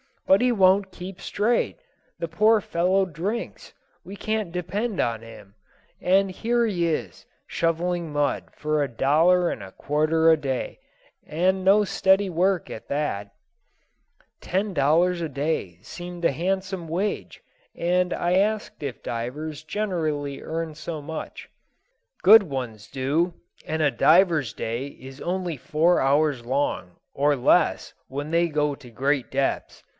But he won't keep straight. The poor fellow drinks. We can't depend on him. And here he is, shoveling mud for a dollar and a quarter a day, and no steady work at that." [Illustration: "THE DIVER'S HELMET SHOWED LIKE THE BACK OF A BIG TURTLE."] Ten dollars a day seemed a handsome wage, and I asked if divers generally earn so much. "Good ones do, and a diver's day is only four hours' long, or less when they go to great depths.